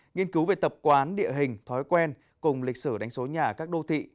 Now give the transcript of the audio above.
nghiên cứu về tập quán địa hình thói quen cùng lịch sử đánh số nhà các đô thị